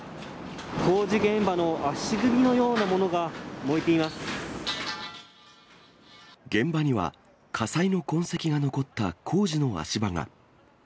工事現場の足組みのようなも現場には、火災の痕跡が残った工事の足場が。